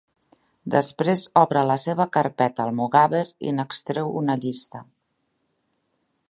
Després obre la seva carpeta almogàver i n'extreu una llista.